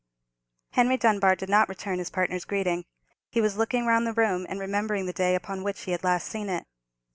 Henry Dunbar did not return his partner's greeting. He was looking round the room, and remembering the day upon which he had last seen it.